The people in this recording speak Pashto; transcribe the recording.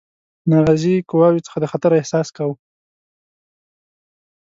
ناراضي قواوو څخه د خطر احساس کاوه.